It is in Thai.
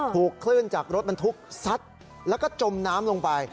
ถูกคลื่นจากรถบรรทุกซัดแล้วก็จมน้ำลงไป